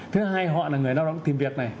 thứ hai họ là người lao động tìm việc